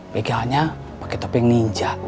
begalnya pake topeng ninja